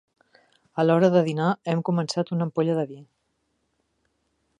A l'hora de dinar hem començat una ampolla de vi.